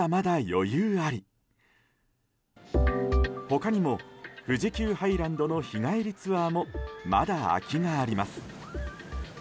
他にも富士急ハイランドの日帰りツアーもまだ空きがあります。